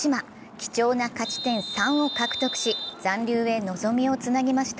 貴重な勝ち点３を獲得し、残留へ望みをつなげました。